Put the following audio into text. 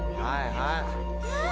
はいはい。